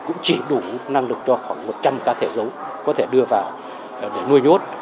cũng chỉ đủ năng lực cho khoảng một trăm linh cá thể giống có thể đưa vào để nuôi nhốt